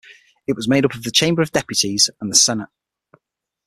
It was made up of the Chamber of Deputies and the Senate.